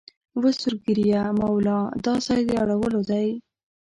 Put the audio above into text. وه سور ږیریه مولا دا ځای د اړولو دی